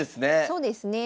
そうですね。